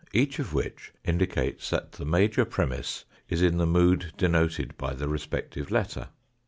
each of which indicates that the major premiss is in the mood denoted by the respective letter.